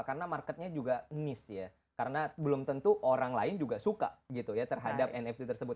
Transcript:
karena marketnya juga niche ya karena belum tentu orang lain juga suka gitu ya terhadap nft tersebut